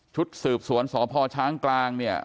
ชุดสืบสวนสพช้างกลางเนี่ย